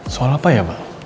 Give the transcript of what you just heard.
soal apa ya pak